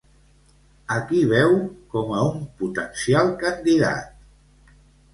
A qui veu com a un potencial candidat?